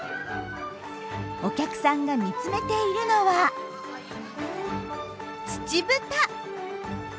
お客さんが見つめているのはツチブタ！